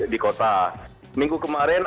di kota minggu kemarin